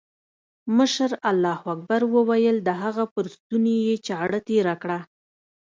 مشر الله اکبر وويل د هغه پر ستوني يې چاړه تېره کړه.